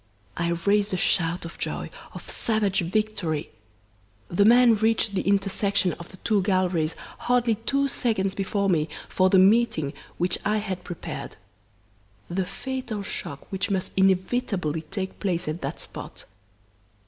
I raised a shout of joy, of savage victory. The man reached the intersection of the two galleries hardly two seconds before me for the meeting which I had prepared the fatal shock which must inevitably take place at that spot!